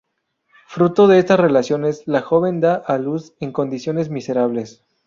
Fruto de estas relaciones, la joven da a luz, en condiciones miserables.